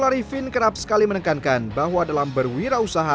corbin merupakan salah satu awaken p grasp